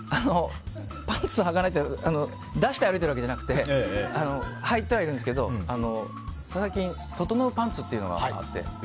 パンツをはかないというのは出して歩いてるわけじゃなくてはいてはいるんですけど、最近ととのうパンツというのがあって。